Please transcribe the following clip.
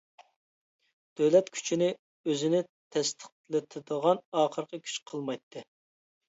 دۆلەت كۈچىنى ئۆزىنى تەستىقلىتىدىغان ئاخىرقى كۈچ قىلمايتتى.